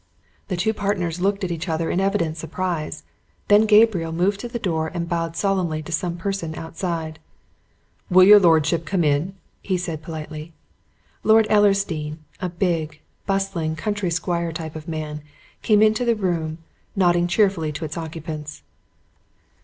The two partners looked at each other in evident surprise; then Gabriel moved to the door and bowed solemnly to some person outside. "Will your lordship come in?" he said politely. Lord Ellersdeane, a big, bustling, country squire type of man, came into the room, nodding cheerily to its occupants.